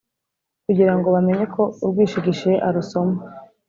kugira ngo bamenye ko urwishigishiye arusoma.